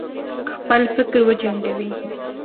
خپل فکر وجنګوي.